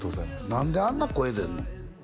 何であんな声出るの？